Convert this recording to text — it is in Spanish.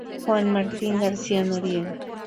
Juan Martín García Noriega.